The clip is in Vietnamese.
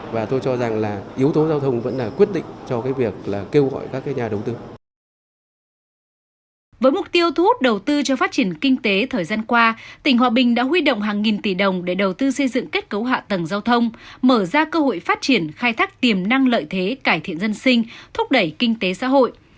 với mục tiêu thu hút đầu tư cho phát triển kinh tế thời gian qua tỉnh hòa bình đã huy động hàng nghìn tỷ đồng để đầu tư xây dựng kết cấu hạ tầng giao thông mở ra cơ hội phát triển khai thác tiềm năng lợi thế cải thiện dân sinh thúc đẩy kinh tế xã hội